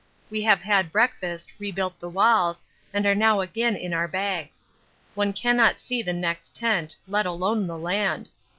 We have had breakfast, rebuilt the walls, and are now again in our bags. One cannot see the next tent, let alone the land.